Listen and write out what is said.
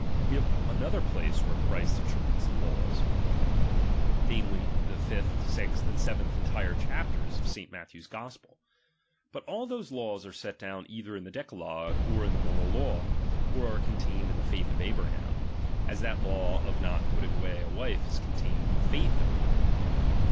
We have another place where Christ interprets the laws, namely, the fifth, sixth, and seventh entire chapters of St. Matthew's Gospel. But all those laws are set down either in the decalogue or in the moral law, or are contained iu the faith of Abraham ; as that law of not putting away a wife is contained in the faith of' Abraham.